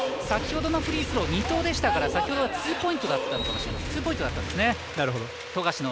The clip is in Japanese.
先ほどのフリースロー２投でしたからツーポイントだったんですね。